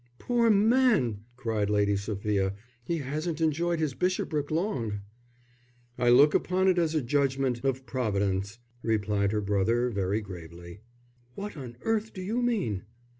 "Poor man," cried Lady Sophia. "He hasn't enjoyed his bishopric long." "I look upon it as a judgment of Providence," replied her brother, very gravely. "What on earth do you mean?"